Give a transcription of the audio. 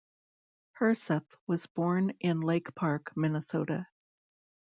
Herseth was born in Lake Park, Minnesota.